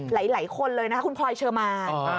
หลายคนเลยนะคุณพลอยเชอร์มาน